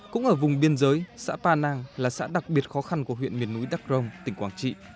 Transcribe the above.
cũng ở vùng biên giới xã pa nang là xã đặc biệt khó khăn của huyện miền núi đắc rông tỉnh quảng trị